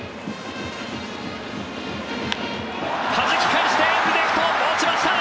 はじき返してレフト、落ちました！